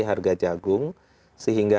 harga jagung sehingga